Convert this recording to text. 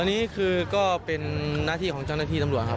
อันนี้คือก็เป็นหน้าที่ของเจ้าหน้าที่ตำรวจครับ